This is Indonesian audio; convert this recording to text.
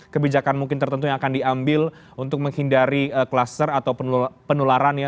kebijakan mungkin tertentu yang akan diambil untuk menghindari kluster atau penularan ya